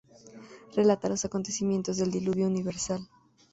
Relata los acontecimientos del Diluvio universal.